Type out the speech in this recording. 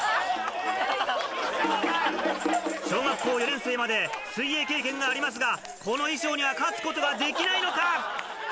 小学校４年生まで水泳経験がありますがこの衣装には勝つことができないのか？